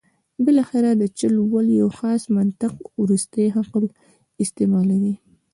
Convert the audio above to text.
بالاخره د چل ول یو خاص منطق وروستی حق استعمالوي.